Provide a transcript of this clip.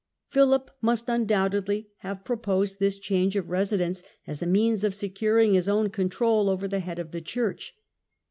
Philip must undoubtedly have proposed this change of residence, as a means of securing his own control over the Quarrel head of the Church.